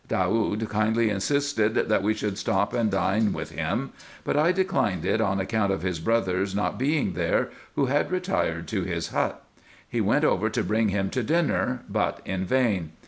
Daoud kindly insisted that we should stop and dine with him ; but I declined it on account of his brother's not being there, who had retired to his hut. He went over to bring him to dinner, but in vain.